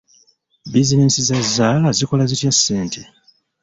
Bizinensi za zzaala zikola zitya ssente?